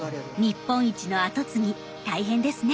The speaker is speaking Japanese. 日本一の後継ぎ大変ですね。